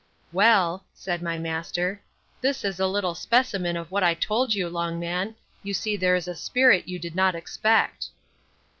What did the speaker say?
Well, said my master, this is a little specimen of what I told you, Longman. You see there's a spirit you did not expect.